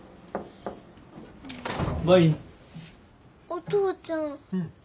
お父ちゃん。